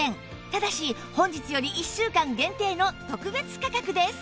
ただし本日より１週間限定の特別価格です